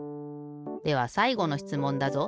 ではさいごのしつもんだぞ。